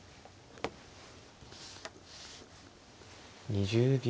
２０秒。